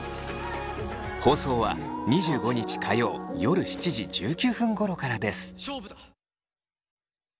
放送は２５日火曜夜７時１９分ごろからです。